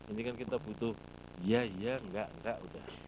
ini kan kita butuh ya ya nggak nggak udah